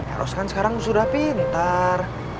eros kan sekarang sudah pinter